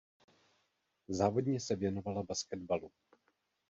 Závodně se věnovala basketbalu.